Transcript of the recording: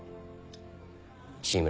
志村。